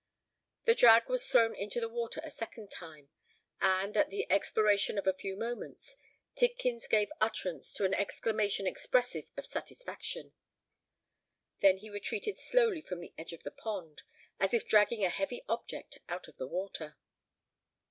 The drag was thrown into the water a second time; and, at the expiration of a few moments, Tidkins gave utterance to an exclamation expressive of satisfaction. Then he retreated slowly from the edge of the pond, as if dragging a heavy object out of the water.